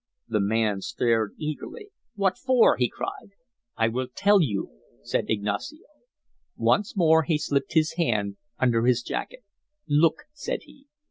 The man stared eagerly. "What for?" he cried. "I will tell you!" said Ignacio. Once more he slipped his hand under his jacket. "Look," said he.